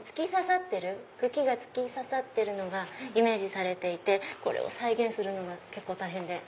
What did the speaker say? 茎が突き刺さってるのがイメージされていてこれを再現するのが結構大変で。